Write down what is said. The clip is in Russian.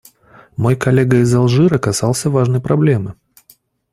Мой коллега из Алжира касался важной проблемы.